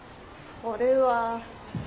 それは？